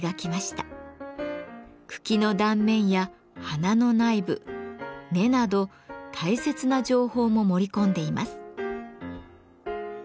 茎の断面や花の内部根など大切な情報も盛り込んでいます。